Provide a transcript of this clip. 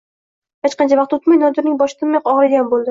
Hech qancha vaqt o`tmay Nodirning boshi tinmay og`riydigan bo`ldi